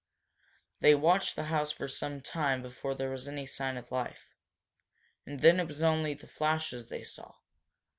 They watched the house for some time before there was any sign of life. And then it was only the flashes that they saw.